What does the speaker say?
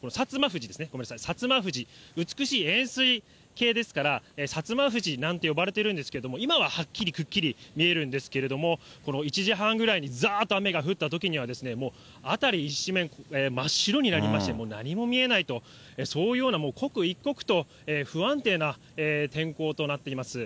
富士ですね、美しい円すい形ですから、薩摩富士なんて呼ばれているんですけれども、今ははっきり、くっきり見えるんですけれども、１時間半ぐらいにざーっと雨が降ったときには、もう辺り一面、真っ白になりまして、何も見えないと、そういうような刻一刻と不安定な天候となっています。